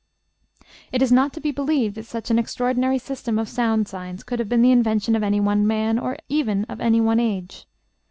It is not to be believed that such an extraordinary system of sound signs could have been the invention of any one man or even of any one age.